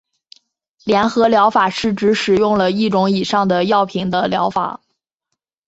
联合疗法是指使用了一种以上的药品的疗法。